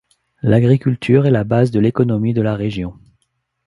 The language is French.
L'agriculture est la base de l'économie de la région.